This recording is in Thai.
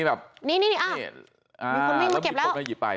อ้าวมีคนวิ่งมาเก็บแล้ว